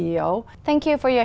và một lần nữa